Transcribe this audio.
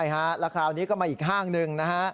ใช่ฮะแล้วคราวนี้ก็มาอีกห้างหนึ่งนะฮะ